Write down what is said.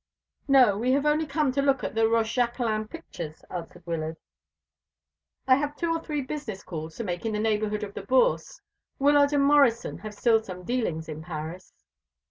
"No, we have only come to look at the Rochejaquelin pictures," answered Wyllard. "I have two or three business calls to make in the neighbourhood of the Bourse. Wyllard & Morrison have still some dealings in Paris."